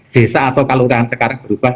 desa atau kelurahan sekarang berubah